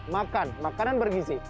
makan makanan bergizi